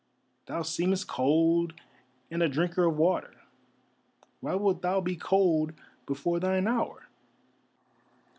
Thou seemest cold, and a drinker of water; why wilt thou be cold before thine hour?